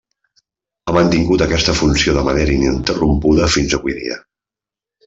Ha mantingut aquesta funció de manera ininterrompuda fins avui dia.